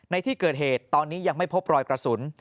ในที่เกิดเหตุตอนนี้ยังไม่พบรอยกระสุน